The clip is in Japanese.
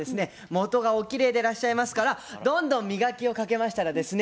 元がおきれいでらっしゃいますからどんどん磨きをかけましたらですね